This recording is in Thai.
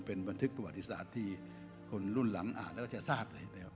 เป็นบันทึกประวัติศาสตร์ที่คนรุ่นหลังอ่านแล้วก็จะทราบเลยนะครับ